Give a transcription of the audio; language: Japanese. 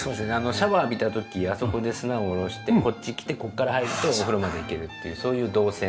シャワーを浴びた時あそこで砂を下ろしてこっち来てここから入るとお風呂まで行けるっていうそういう動線。